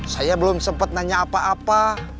saya belum sempat nanya apa apa